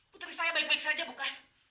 putri saya baik baik saja bukan